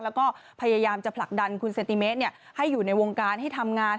แล้วก็พยายามจะผลักดันคุณเซนติเมตรให้อยู่ในวงการให้ทำงาน